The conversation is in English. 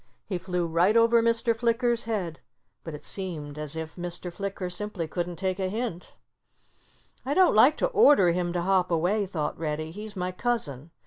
He flew right over Mr. Flicker's head. But it seemed as if Mr. Flicker simply couldn't take a hint. "I don't like to order him to hop away," thought Reddy. "He's my cousin.